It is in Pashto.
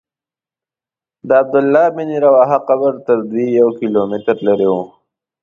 د عبدالله بن رواحه قبر تر دوی یو کیلومتر لرې و.